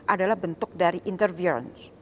adalah bentuk dari interference